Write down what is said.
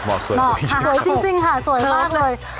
เหมาะค่ะสวยจริงค่ะสวยมากเลย